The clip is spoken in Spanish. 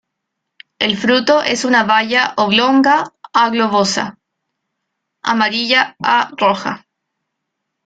El fruto es una baya oblonga a globosa, amarilla a roja.